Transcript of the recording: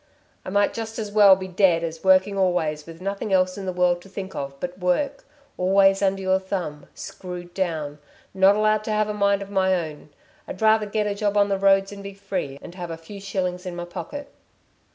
"I might just as well be dead as working always with nothing else in the world to think of but work always under your thumb, screwed down not allowed to have a mind of my own. I'd rather get a job on the roads and be free, and have a few shillings in my pocket."